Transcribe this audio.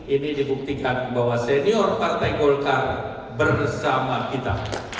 ini dibuktikan bahwa senior partai golkar bersama kita